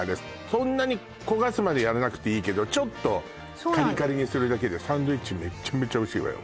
そんなに焦がすまでやらなくていいけどちょっとカリカリにするだけでサンドイッチメッチャメチャおいしいわよ